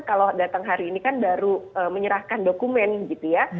kalau datang hari ini kan baru menyerahkan dokumen gitu ya